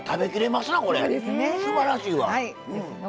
すばらしいわ！